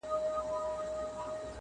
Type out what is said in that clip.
د یارانو پکښي سخت مخالفت سو!.